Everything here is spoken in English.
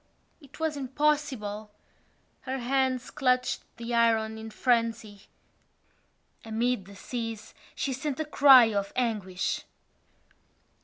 It was impossible. Her hands clutched the iron in frenzy. Amid the seas she sent a cry of anguish!